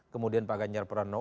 kemudian pak ganjar pranowo